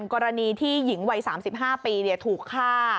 กรณีที่หญิงวัย๓๕ปีถูกฆ่า